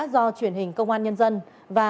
do truyền hình công an nhân dân và